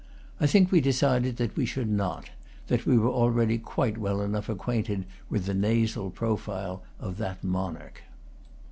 I think we decided that we should not; that we were already quite well enough acquainted with the nasal profile of that monarch.